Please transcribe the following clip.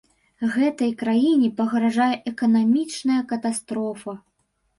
Гэтай краіне пагражае эканамічная катастрофа.